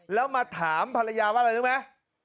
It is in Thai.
แล้วมาถามภรรยาว่าอะไรนึกมั้ย